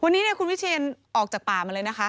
วันนี้คุณวิเชียนออกจากป่ามาเลยนะคะ